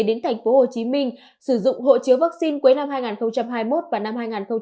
đến thành phố hồ chí minh sử dụng hộ chiếu vaccine cuối năm hai nghìn hai mươi một và năm hai nghìn hai mươi hai